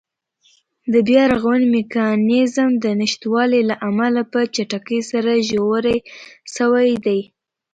د بیا رغونې میکانېزم د نشتوالي له امله په چټکۍ سره ژورې شوې دي.